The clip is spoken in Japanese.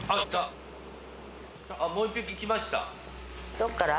どっから？